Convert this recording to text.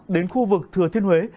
đến khu vực thừa thiên huế